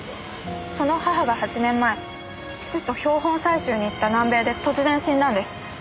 その母が８年前父と標本採集に行った南米で突然死んだんです。